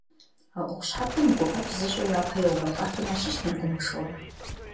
А ӏуэху щхьэпэм гукъэкӏ зыщӏу япэ еувэлӏахэм ящыщт Нэгумэ Шорэ.